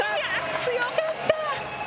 強かった！